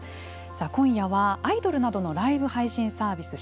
さあ、今夜はアイドルなどのライブ配信サービス